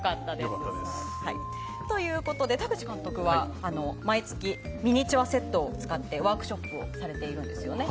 田口監督は毎月、ミニチュアセットを使ってワークショップをされているんですよね。